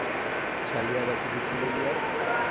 ছাড়িয়া বাচিবে কী লইয়া?